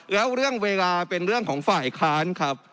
แล้วเรื่องเวลาเป็นเรื่องของฝ่ายค้านครับ